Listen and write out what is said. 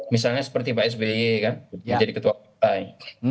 misalnya seperti pak sby kan yang jadi ketua partai